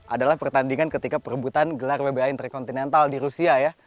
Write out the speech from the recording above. adalah pertandingan ketika perebutan gelar wba interkontinental di rusia ya